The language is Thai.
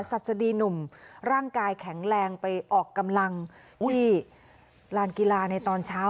ศัษฎีหนุ่มร่างกายแข็งแรงไปออกกำลังที่ลานกีฬาในตอนเช้า